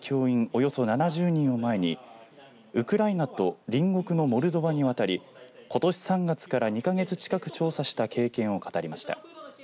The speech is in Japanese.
およそ７０人を前にウクライナと隣国のモルドバに渡りことし３月から２か月近く調査した経験を語りました。